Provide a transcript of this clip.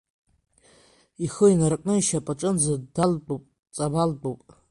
Ихы инаркны ишьапаҿынӡа далтәуп, ҵабалтәуп!